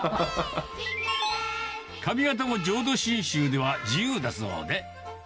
髪形も浄土真宗では自由だそうで。